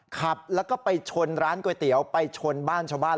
ขับแล้วก็ไปชนร้านก๋วยเตี๋ยวไปชนบ้านชาวบ้าน